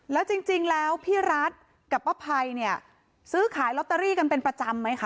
แล้วจริงแล้วพี่รัฐกับป้าภัยเนี่ยซื้อขายลอตเตอรี่กันเป็นประจำไหมคะ